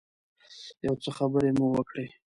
یو څه خبرې مو وکړې.